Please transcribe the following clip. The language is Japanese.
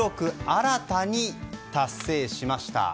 新たに達成しました。